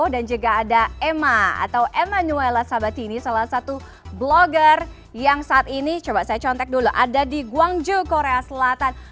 dan juga ada emma atau emanuela sabatini salah satu blogger yang saat ini coba saya contek dulu ada di gwangju korea selatan